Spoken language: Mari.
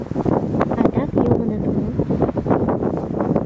Адак йомыныт мо?